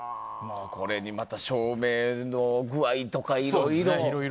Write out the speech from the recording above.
これにまた照明の具合とかいろいろ。